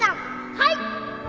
はい